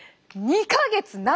２か月長！